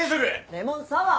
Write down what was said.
レモンサワー！